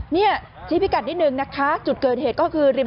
เนี่ยชี้พิกัดนิดนึงนะคะจุดเกิดเหตุก็คือริม